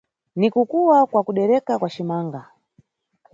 Ni kukuwa kwa kudereka kwa cimanaga.